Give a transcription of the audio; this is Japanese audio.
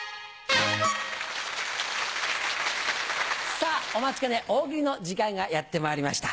さぁお待ちかね大喜利の時間がやってまいりました。